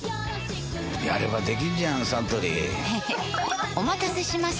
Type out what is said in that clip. やればできんじゃんサントリーへへっお待たせしました！